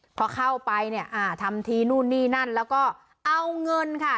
พอเข้าไปเนี่ยอ่าทำทีนู่นนี่นั่นแล้วก็เอาเงินค่ะ